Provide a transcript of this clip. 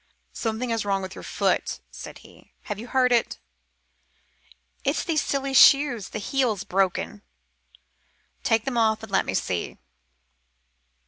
"Something is wrong with your foot," said he. "Have you hurt it?" "It's these silly shoes; the heel's broken." "Take them off and let me see."